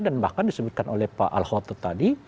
dan bahkan disebutkan oleh pak al hotet tadi